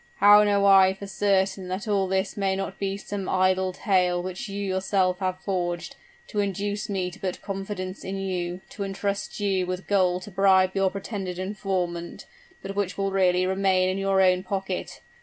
How know I for certain that all this may not be some idle tale which you yourself have forged, to induce me to put confidence in you, to intrust you with gold to bribe your pretended informant, but which will really remain in your own pocket?